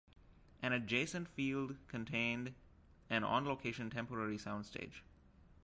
An adjacent field contained an on-location temporary sound stage.